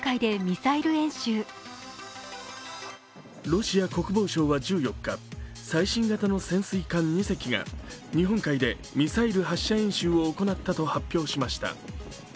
ロシア国防省は１４日、最新型の潜水艦２隻が日本海でミサイル発射演習を行ったと発表しました。